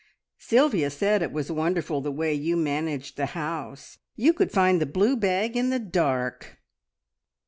Sylvia said it was wonderful the way you managed the house. You could find the blue bag in the dark!"